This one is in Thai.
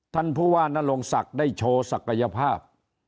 ท่านผู้ว่านรงศักดิ์ได้โชว์ศักยภาพ